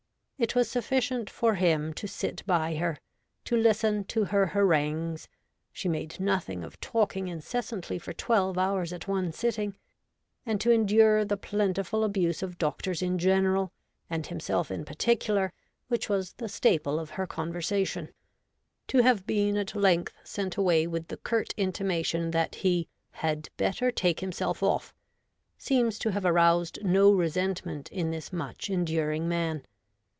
It was sufficient for him to sit by her, to listen to her harangues — she made nothing of talking incessantly for twelve hours at one sitting — and to endure the plentiful abuse of doctors in general, and himself in particular, which was the staple of her conversation : to have been at length sent away with the curt intimation that he ' had better take 94 REVOLTED WOMAN. himself off,' seems to have aroused no resentment in this much enduring man.